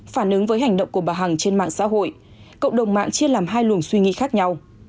phản ứng với hành động của bà hằng trên mạng xã hội cộng đồng mạng chia làm hai luồng suy nghĩ khác nhau